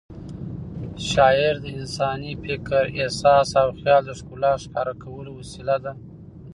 شاعري د انساني فکر، احساس او خیال د ښکلا ښکاره کولو وسیله ده.